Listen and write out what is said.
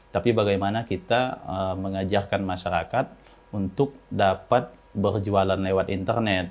tapi bagaimana kita mengajarkan masyarakat untuk dapat berjualan lewat internet